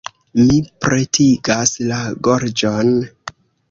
Mi pretigas la gorĝon.